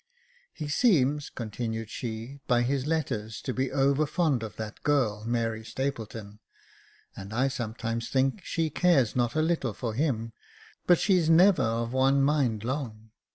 " He seems," continued she, *' by his letters to be over fond of that girl, Mary Stapleton, — and I sometimes think that she cares not a little for him ; but she's never of one mind long.